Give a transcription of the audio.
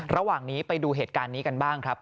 ระหว่างนี้ไปดูเหตุการณ์นี้กันบ้างครับ